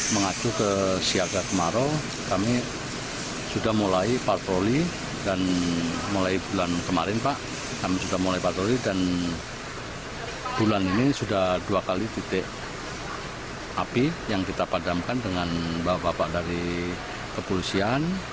mengacu ke siaga kemarau kami sudah mulai patroli dan mulai bulan kemarin pak kami sudah mulai patroli dan bulan ini sudah dua kali titik api yang kita padamkan dengan bapak bapak dari kepolisian